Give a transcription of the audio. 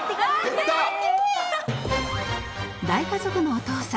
大家族のお父さん